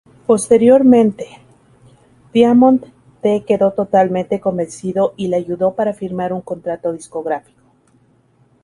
Posteriormente, Diamond D quedó totalmente convencido y le ayudó para firmar un contrato discográfico.